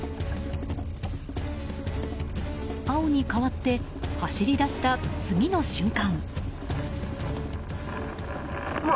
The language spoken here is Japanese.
青に変わって走り出した次の瞬間。